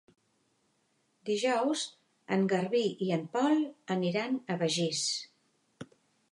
Dijous en Garbí i en Pol aniran a Begís.